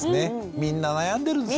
みんな悩んでるんですよ。